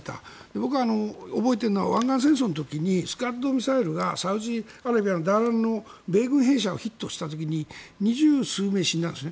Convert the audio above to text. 僕は覚えているのは湾岸戦争の時にスカッドミサイルがサウジアラビアの米軍兵舎をヒットした時に２０数名死んだんですね。